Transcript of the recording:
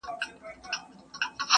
!!چي ښکلي یادومه ستا له نومه حیا راسي!!